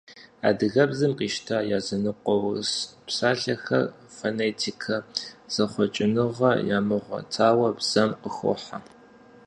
Адыгэбзэм къищта языныкъуэ урыс псалъэхэр фонетикэ зэхъуэкӏыныгъэ ямыгъуэтауэ бзэм къыхохьэ.